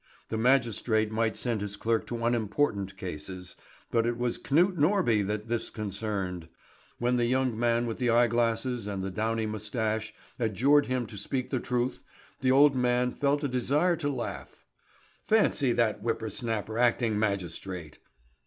The magistrate might send his clerk to unimportant cases; but it was Knut Norby that this concerned. When the young man with the eye glasses and the downy moustache adjured him to speak the truth, the old man felt a desire to laugh. Fancy that whipper snapper acting magistrate!